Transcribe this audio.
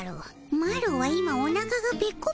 マロは今おなかがペッコペコなのじゃ。